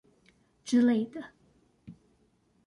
之類的！